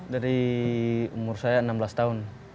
dari umur saya enam belas tahun